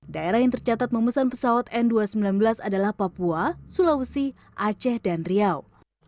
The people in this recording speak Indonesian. daerah yang tercatat memesan pesawat n dua ratus sembilan belas adalah papua sulawesi aceh dan riau